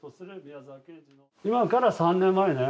今から３年前ね。